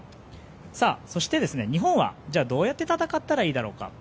そして、日本はどうやって戦ったらいいだろうか。